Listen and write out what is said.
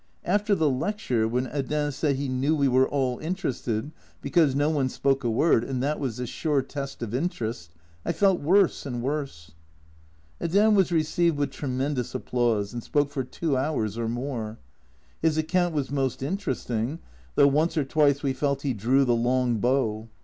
After the lecture, when Hedin said he knew we were all interested, because no one spoke a word, and that was the sure test of interest, I felt worse and worse ! Hedin was received with tremendous applause, and spoke for two hours or more. His account was most interesting, though once or twice we felt he "drew the long bow."